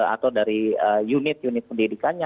atau dari unit unit pendidikannya